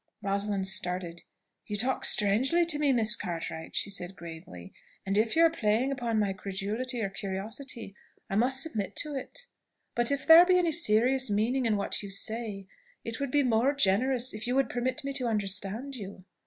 Rosalind started. "You talk strangely to me, Miss Cartwright," said she gravely; "and if you are playing upon my credulity or curiosity, I must submit to it. But if there be any serious meaning in what you say, it would be more generous if you would permit me to understand you.